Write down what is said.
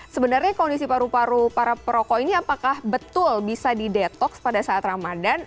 sebenarnya kondisi paru paru para perokok ini apakah betul bisa didetoks pada saat ramadhan